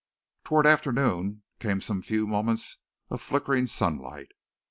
Towards afternoon came some few moments of flickering sunlight.